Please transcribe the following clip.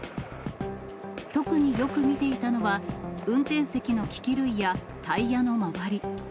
特によく見ていたのは、運転席の機器類やタイヤの周り。